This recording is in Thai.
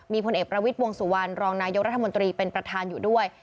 มีพลเอกประวิทย์วงสุวรรณรองนายกรัฐมนตรีเป็นประธานอยู่ด้วย